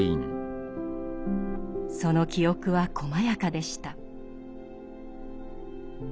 その記憶はこまやかでした。